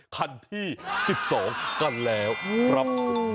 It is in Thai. คันที่๑๒กันแล้วครับ